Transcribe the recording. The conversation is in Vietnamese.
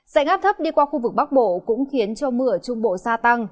sạch áp thấp đi qua khu vực bắc bộ cũng khiến cho mưa ở trung bộ gia tăng